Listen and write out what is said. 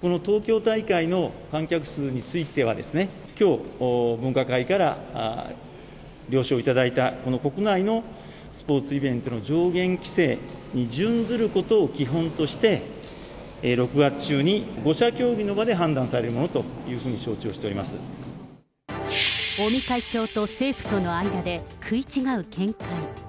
この東京大会の観客数については、きょう、分科会から了承を頂いた、この国内のスポーツイベントの上限規制にじゅんずることを基本として、６月中に５者協議の場で判断されるものというふうに承知を尾身会長と政府との間で、食い違う見解。